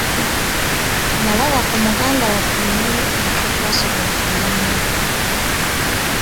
Nalaba ku mugandawo ku nnyonyi naye tetwasobola kunyumya.